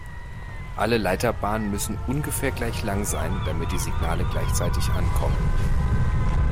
Alle Leiterbahnen müssen ungefähr gleich lang sein, damit die Signale gleichzeitig ankommen.